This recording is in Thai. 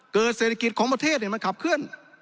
เศรษฐกิจของประเทศมันขับเคลื่อน